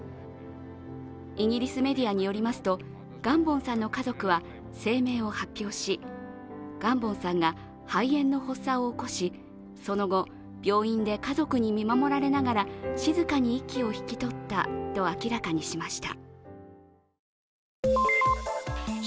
イギリスメディアによりますと、ガンボンさんの家族は声明を発表し、ガンボンさんが肺炎の発作を起こし、その後、病院で家族に見守られながら静かに息を引き取ったと明らかにしました。